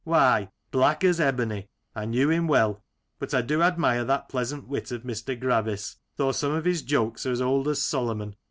Why, black as ebony ! I knew him well But I do admire that pleasant wit of Mr. Gravis, though some of his jokes are as old as Solomon.